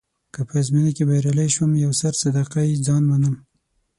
که په ازموینه کې بریالی شوم یو سر صدقه يه ځان منم.